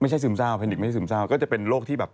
ซึมเศร้าแพนิกไม่ใช่ซึมเศร้าก็จะเป็นโรคที่แบบ